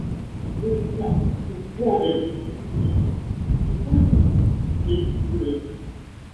Guztiak txertoaren bigarren dosia jasotzeko zain zeuden.